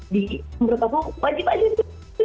di menurut aku wajib aja di